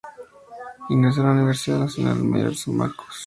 Ingresó a la Universidad Nacional Mayor de San Marcos, donde cursó Derecho.